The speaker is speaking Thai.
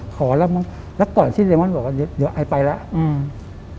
ขอแล้วบอกแล้วก่อนที่เดมอนบอกว่าเดี๋ยวอายไปแล้ว